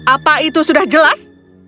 apa itu sudah jelas